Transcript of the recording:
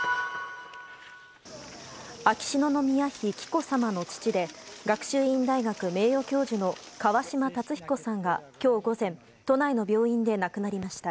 秋篠宮妃紀子さまの父で学習院大学名誉教授の川嶋辰彦さんが、今日午前都内の病院で亡くなりました。